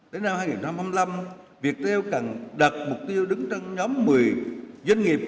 tới năm hai nghìn hai mươi năm việt heo cần đặt mục tiêu đứng trong nhóm một mươi doanh nghiệp